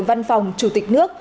văn phòng chủ tịch nước